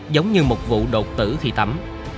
giống như một vụ đột tử khi tắm